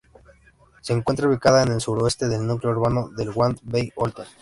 Se encuentra ubicada en el suroeste del núcleo urbano de Wangen bei Olten.